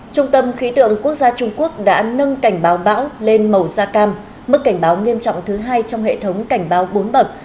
trung tâm khí tượng quốc gia trung quốc đã nâng cảnh báo bão lên màu da cam mức cảnh báo nghiêm trọng thứ hai trong hệ thống cảnh báo bốn bậc